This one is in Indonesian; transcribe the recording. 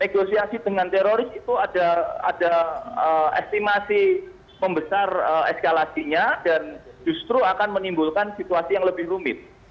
negosiasi dengan teroris itu ada estimasi membesar eskalasinya dan justru akan menimbulkan situasi yang lebih rumit